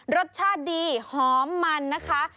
รสชาติดีหอมมันนะคะ